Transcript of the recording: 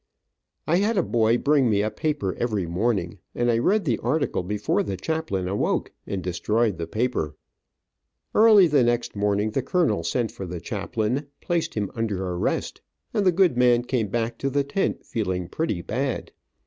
I had a boy bring me a paper every morning, and I read the article before the chaplain awoke, and destroyed the paper. Early the next morning the colonel sent for the chaplain, placed him under arrest, and the good man came back to the tent feeling pretty bad.